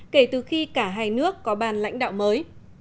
kể từ khi cả hai nước có ban lãnh đạo mới